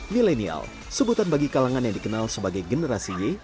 milenial sebutan bagi kalangan yang dikenal sebagai generasi y